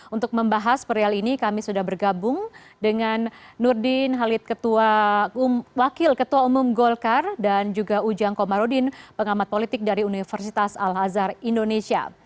untuk membahas perial ini kami sudah bergabung dengan nurdin halid wakil ketua umum golkar dan juga ujang komarudin pengamat politik dari universitas al azhar indonesia